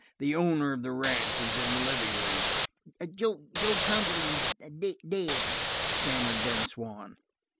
The owner of the ranch is in the living room." "Joe Cumberland's dead," stammered Ben Swann.